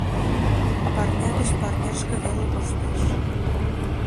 - Парня гыч парняшке веле коштеш.